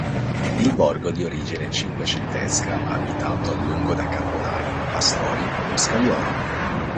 Il borgo è di origine cinquecentesca, abitato a lungo da carbonai, pastori e boscaioli.